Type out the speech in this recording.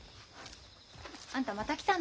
あんたまた来たの。